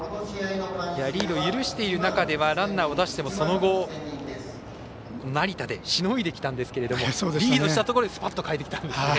リードを許している中ではランナーを出してもその後、成田でしのいできたんですけれどもリードしたところでスパッと代えてきたと。